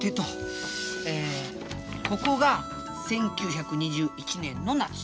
えここが１９２１年の夏。